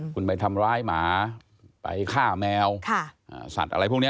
คุณไปทำร้ายหมาไปฆ่าแมวสัตว์อะไรพวกนี้